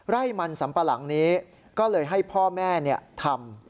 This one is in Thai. ไร่มันสัมปะหลังนี้ก็เลยให้พ่อแม่ทำ